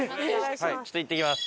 ちょっと行ってきます。